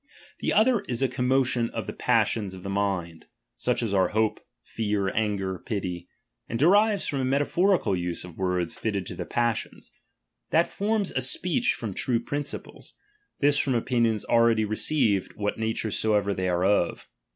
The other is a commotion of the passions 7id»«diiion^ pf jjjg mind, sucii as are hope, fear, anger, pit^; and derives from a metaphorical use of words ^^ fitted to the passions. That forms a speech from ^H true principles ; this from opinions already re ^H ceived, what nature soever they are of.